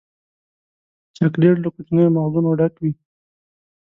چاکلېټ له کوچنیو مغزونو ډک وي.